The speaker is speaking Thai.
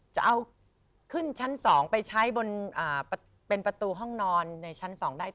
จะเอาขึ้นชั้น๒ไปใช้บนเป็นประตูห้องนอนในชั้น๒ได้